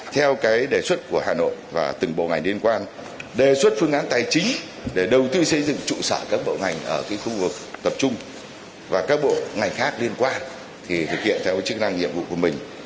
theo cái đề xuất của hà nội và từng bộ ngành liên quan đề xuất phương án tài chính để đầu tư xây dựng trụ sở các bộ ngành ở khu vực tập trung và các bộ ngành khác liên quan thì thực hiện theo chức năng nhiệm vụ của mình